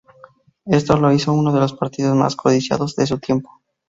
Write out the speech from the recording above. Esto la hizo uno de los partidos más codiciados de su tiempo.